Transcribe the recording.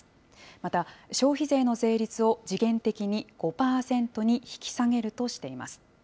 また、消費税の税率を時限的に５％に引き下げるとしています。